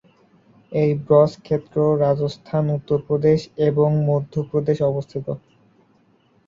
এই ব্রজ ক্ষেত্র রাজস্থান, উত্তরপ্রদেশ এবং মধ্য প্রদেশে অবস্থিত।